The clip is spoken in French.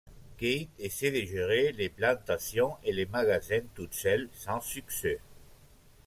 Kate essaie de gérer les plantations et le magasin toute seule, sans succès.